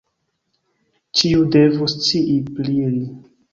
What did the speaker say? Ĉiu devus scii pri li.